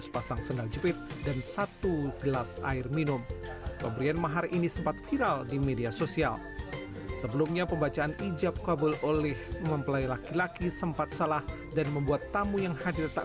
perbacaan ijab kabul oleh mempelai laki laki sempat salah dan membuat tamu yang hadir tak